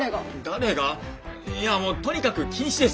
誰がいやもうとにかく禁止です！